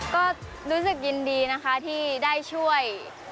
ก็รู้สึกยินดีนะคะที่ได้ช่วย